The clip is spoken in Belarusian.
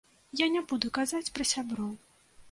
Я не буду казаць пра сяброў.